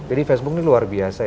jadi facebook ini luar biasa ya